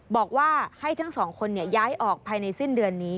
บอกว่าให้ทั้งสองคนย้ายออกภายในสิ้นเดือนนี้